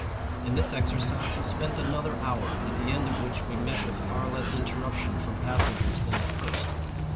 In this exercise he spent another hour, at the end of which we met with far less interruption from passengers than at first.